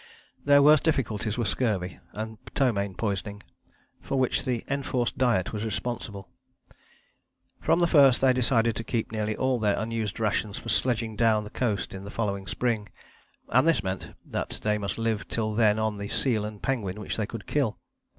Their worst difficulties were scurvy and ptomaine poisoning, for which the enforced diet was responsible. From the first they decided to keep nearly all their unused rations for sledging down the coast in the following spring, and this meant that they must live till then on the seal and penguin which they could kill.